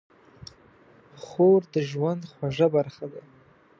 خور د ژوند خوږه برخه ده.